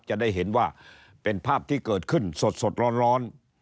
จะได้เห็นว่าเป็นภาพที่เกิดขึ้นสดร้อน